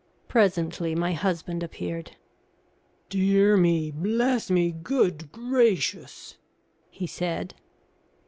Presently my husband appeared. "Dear me! Bless me! Good gracious!" he said.